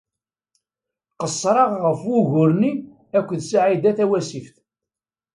Qeṣṣreɣ ɣef wugur-nni akked Saɛida Tawasift.